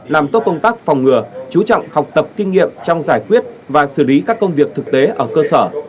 làm tốt công tác phòng ngừa chú trọng học tập kinh nghiệm trong giải quyết và xử lý các công việc thực tế ở cơ sở